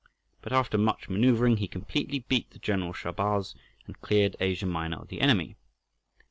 But after much manœuvring he completely beat the general Shahrbarz, and cleared Asia Minor of the enemy.